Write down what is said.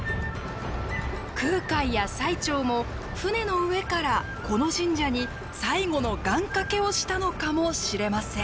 空海や最澄も船の上からこの神社に最後の願掛けをしたのかもしれません。